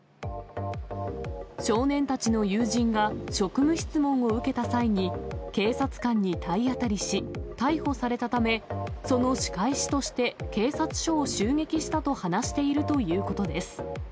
少年たちの友人が職務質問を受けた際に、警察官に体当たりし、逮捕されたため、その仕返しとして警察署を襲撃したと話しているということです。